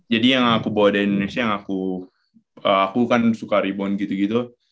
jadi yang aku bawa dari indonesia yang aku aku kan suka rebound gitu gitu